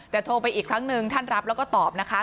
แต่โทรไปอีกครั้งหนึ่งท่านรับแล้วก็ตอบนะคะ